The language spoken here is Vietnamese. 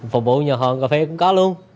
phục vụ nhà hàng cà phê cũng có luôn